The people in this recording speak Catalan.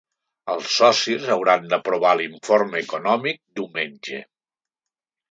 Els socis hauran d’aprovar l’informe econòmic diumenge.